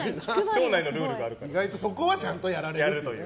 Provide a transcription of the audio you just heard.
意外とそこはちゃんとやられると。